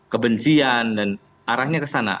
kebencian dan arahnya ke sana